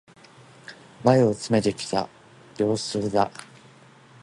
前を詰めてきた、両襟だ。